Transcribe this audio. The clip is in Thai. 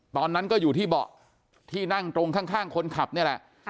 ตอนนั้นก็อยู่ที่เบาะที่นั่งตรงข้างคนขับนี่แหละ